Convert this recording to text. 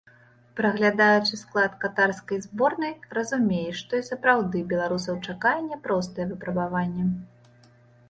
Праглядаючы склад катарскай зборнай, разумееш, што і сапраўды беларусаў чакае няпростае выпрабаванне.